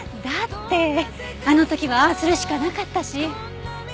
だってあの時はああするしかなかったし。